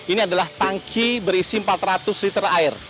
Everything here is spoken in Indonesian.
ini adalah tangki berisi empat ratus liter air